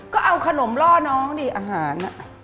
ก็เอาขนมล่อน้องดิอาหาร